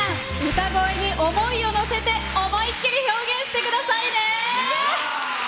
歌声に思いをのせて思い切り表現してくださいね！